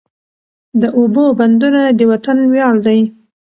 د اوبو بندونه د وطن ویاړ دی.